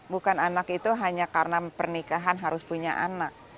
bukan anak itu hanya karena pernikahan harus punya anak